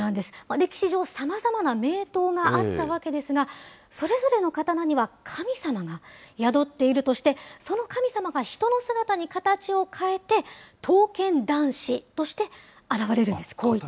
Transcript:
歴史上さまざまな名刀があったわけですが、それぞれの刀には神様が宿っているとして、その神様が人の姿に形を変えて、刀剣男士として現れるんです、こういった。